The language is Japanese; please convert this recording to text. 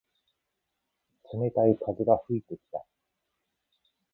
冷たい風が吹いてきた。